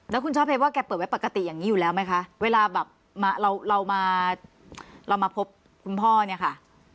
แล้วคุณช่อเพชรว่าแกเปิดไว้ปกติอย่างนี้อยู่แล้วไหมคะเวลาแบบมาเรามาเรามาพบคุณพ่อเนี่ยค่ะ